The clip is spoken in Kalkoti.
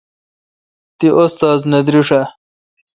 تی استا ذ نہ دریݭ آ؟